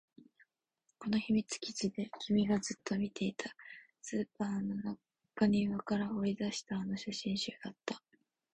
この秘密基地で君がずっと見ていた、スーパーの中庭から掘り出したあの写真集だった